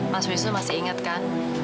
mas wisnu masih ingat kan